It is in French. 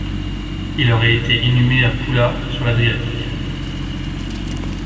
Il aurait été inhumé à Pula sur l'Adriatique.